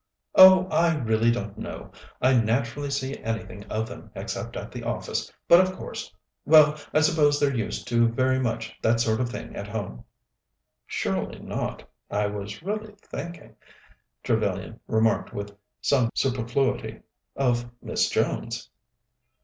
"Oh, I really don't know. I naturally never see anything of them, except at the office; but, of course well, I suppose they're used to very much that sort of thing at home." "Surely not. I was really thinking," Trevellyan remarked with some superfluity, "of Miss Jones."